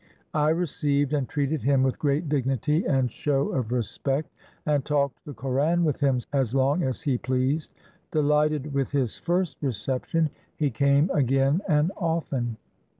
I re ceived and treated him with great dignity and show of respect, and talked the Koran with him as long as he pleased. Delighted with his first reception, he came again and often.